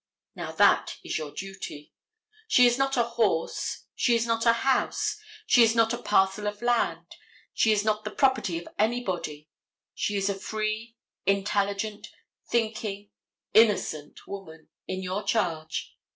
Now that is your duty. She is not a horse, she is not a house, she is not a parcel of land, she is not the property of anybody, but she is a free, intelligent, thinking, innocent woman, in your charge.